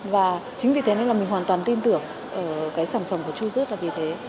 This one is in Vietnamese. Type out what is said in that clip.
và chính vì thế nên là mình hoàn toàn tin tưởng cái sản phẩm của chujut là vì thế